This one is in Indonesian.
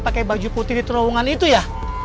pakai baju putih di terowongan itu ya